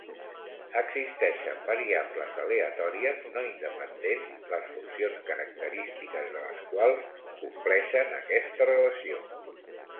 Existeixen variables aleatòries no independents les funcions característiques de les quals compleixen aquesta relació.